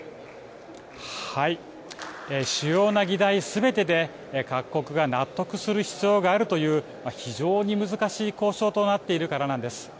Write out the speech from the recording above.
主要な議題すべてで、各国が納得する必要があるという非常に難しい交渉となっているからなんです。